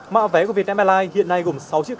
mạo vé có thể kiểm tra sơ bộ mạo vé điện tử bằng mắt thường